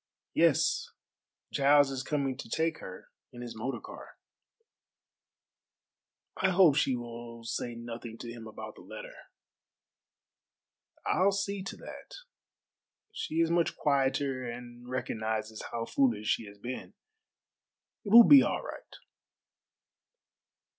"Yes. Giles is coming to take her in his motor car." "I hope she will say nothing to him about the letter." "I'll see to that. She is much quieter and recognizes how foolish she has been. It will be all right."